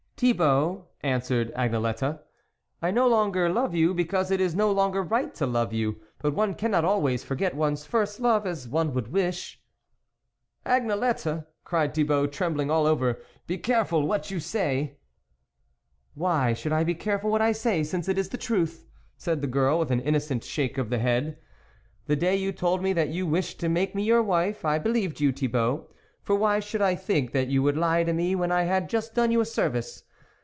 " Thibault," answered Agnelette, " I no longer love you, because it is no longer right to love you ; but one cannot always forget one's first love as one would wish." "Agnelette!" cried Thibault, trembling all over, " be careful what you say !"" Why should I be careful what I say, since it is the truth," said the girl with an innocent shake of the head. " The day you told me that you wished to make me your wife, I believed you, Thi bault ; for why should I think that you would lie to me when I had just done you a service